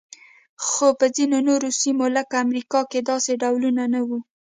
خو په ځینو نورو سیمو لکه امریکا کې داسې ډولونه نه وو.